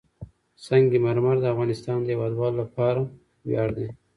سنگ مرمر د افغانستان د هیوادوالو لپاره ویاړ دی.